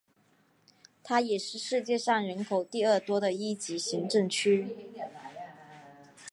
它也是世界上人口第二多的一级行政区。